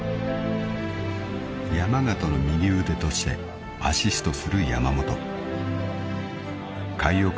［山縣の右腕としてアシストする］